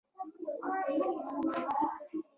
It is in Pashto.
د پیل پر مهال د فوم یوه ټوټه جلا شوه.